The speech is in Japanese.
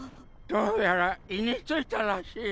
どうやら胃に着いたらしい。